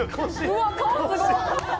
うわっ顔すごっ。